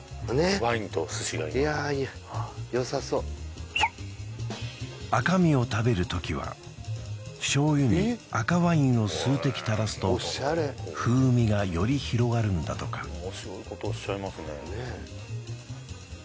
ワインと寿司が今いやーいやよさそう赤身を食べる時は醤油に赤ワインを数滴たらすと風味がより広がるんだとかあれ？